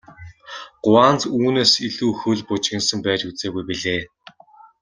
Гуанз үүнээс илүү хөл бужигнасан байж үзээгүй билээ.